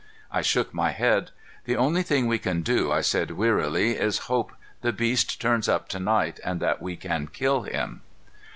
I shook my head. "The only thing we can do," I said wearily, "is hope the beast turns up to night and that we kill him."